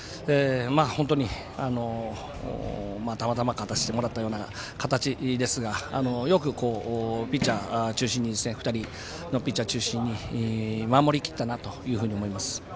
本当に、たまたま勝たせてもらったような形ですが、よくピッチャー中心に２人のピッチャー中心に守りきったなというふうに思います。